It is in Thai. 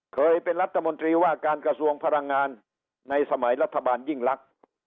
เคยเป็นรัฐมนตรีว่าการกระทรวงพลังงานในสมัยรัฐบาลยิ่งลักษณ์